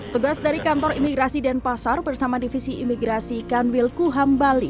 tugas dari kantor imigrasi dan pasar bersama divisi imigrasi kanwil kuham bali